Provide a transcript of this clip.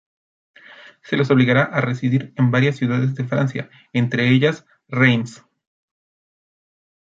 Se les obligará a residir en varias ciudades de Francia, entre ellas, Reims.